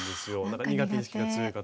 苦手意識が強い方。